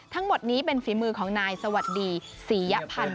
ทั้งหมดนี้เป็นฝีมือของนายสวัสดีศรียพันธ์